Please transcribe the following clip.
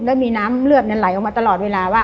แล้วมีน้ำเลือดนั้นไหลออกมาตลอดเวลาว่า